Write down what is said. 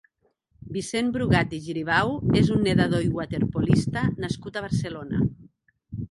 Vicenç Brugat i Giribau és un nedador i waterpolista nascut a Barcelona.